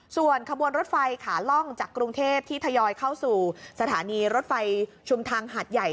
ส่วนขบวนรถไฟขาล่องจากกรุงเทพที่ทยอยเข้าสู่สถานีรถไฟชุมทางหาดใหญ่